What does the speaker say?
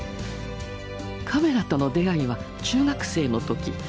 カメラとの出会いは中学生の時。